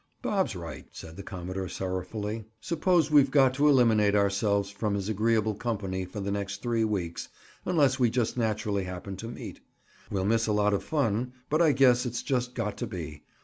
"Bob's right," said the commodore sorrowfully. "Suppose we've got to eliminate ourselves from his agreeable company for the next three weeks, unless we just naturally happen to meet. We'll miss a lot of fun, but I guess it's just got to be.